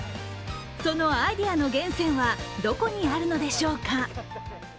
そのアイデアの源泉はどこにあるのでしょうか。